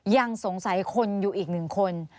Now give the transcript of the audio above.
ยังสงสัยคนอยู่อีกหนึ่งคน